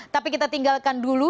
tapi kita tinggalkan dulu